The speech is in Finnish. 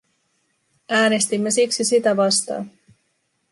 Äänestimme siksi sitä vastaan.